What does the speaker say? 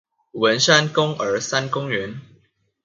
文山公兒三公園